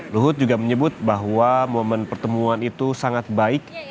luhut juga menyebut bahwa momen pertemuan itu sangat baik